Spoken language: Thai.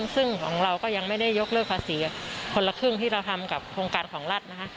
ซึ่งของเราก็ยังไม่ได้ยกเลิกภาษีคนละครึ่งที่เราทำกับโครงการของรัฐนะคะ